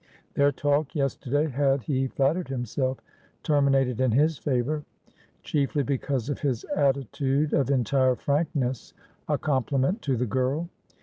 Their talk yesterday had, he flattered himself, terminated in his favour; chiefly, because of his attitude of entire frankness, a compliment to the girl.